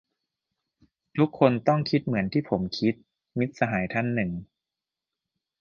"ทุกคนต้องคิดเหมือนที่ผมคิด" - มิตรสหายท่านหนึ่ง